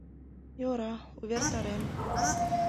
Йӧра, увертарем.